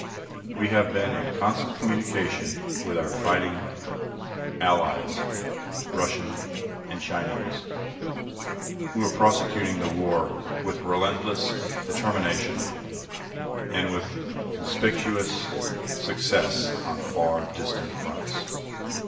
We have been in constant communication with our fighting Allies, Russian and Chinese, who are prosecuting the war with relentless determination and with conspicuous success on far distant fronts.